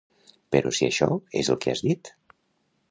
«però si això és el que has dit!».